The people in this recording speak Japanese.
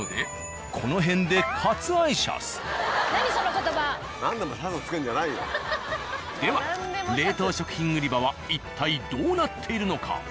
この辺ででは冷凍食品売り場は一体どうなっているのか？